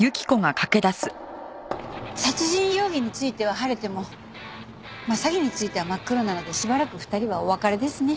殺人容疑については晴れても詐欺については真っ黒なのでしばらく２人はお別れですね。